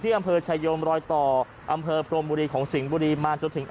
อำเภอชายโยมรอยต่ออำเภอพรมบุรีของสิงห์บุรีมาจนถึง